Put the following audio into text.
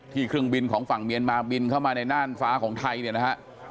เครื่องบินของฝั่งเมียนมาบินเข้ามาในน่านฟ้าของไทยเนี่ยนะฮะ